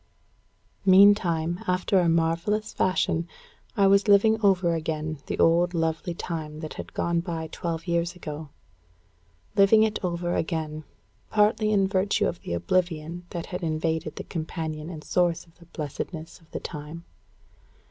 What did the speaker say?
Meantime, after a marvellous fashion, I was living over again the old lovely time that had gone by twelve years ago; living it over again, partly in virtue of the oblivion that had invaded the companion and source of the blessedness of the time.